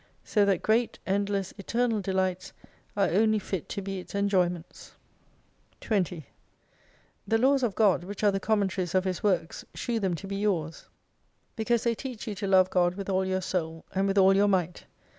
So that Great, Endless, Eternal Delights are only fit to be its enjoyments. 20 The laws of GOD, which are the commentaries of His works, shew them to be yours : because they 13 teach you to love God with all your Soul, and with all your Might.